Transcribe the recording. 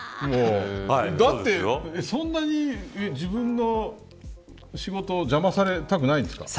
だって、そんなに自分の仕事をされたくない。